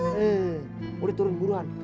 eh boleh turun buruan